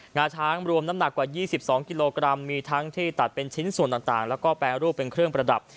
งาช้างรวมน้ำหนักกว่า๒๒กิโลกรัมมีทั้งที่ตัดเป็นชิ้นส่วนต่างแล้วก็แปรรูปเป็นเครื่องประดับ